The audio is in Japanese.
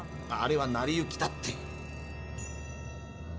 あれは成り行きだって。